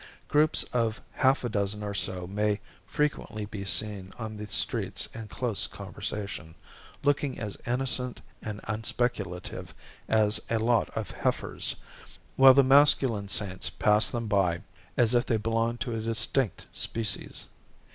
Groups of half a dozen or so may frequently be seen on the streets in close conversation, looking as innocent and unspeculative as a lot of heifers, while the masculine Saints pass them by as if they belonged to a distinct species.